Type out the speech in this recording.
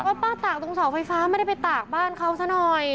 ป้าตากตรงเสาไฟฟ้าไม่ได้ไปตากบ้านเขาซะหน่อย